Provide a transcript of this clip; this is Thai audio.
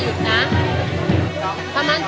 ลิฟท์ลิฟท์ลิฟท์ลิฟท์